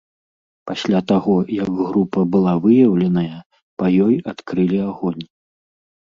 Пасля таго, як група была выяўленая, па ёй адкрылі агонь.